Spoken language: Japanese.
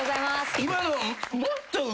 今の。